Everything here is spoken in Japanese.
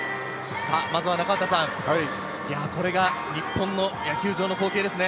まずは中畑さん、これが日本の野球場の光景ですね。